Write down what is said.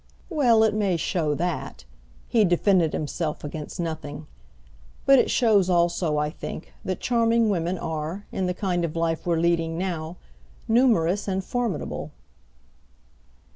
"Well, it may show that" he defended himself against nothing. "But it shows also, I think, that charming women are, in the kind of life we're leading now, numerous and formidable."